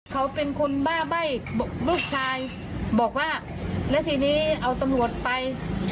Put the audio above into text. เขาเป็นคนบ้าใบ้ลูกชายบอกว่าแล้วทีนี้เอาตำรวจไป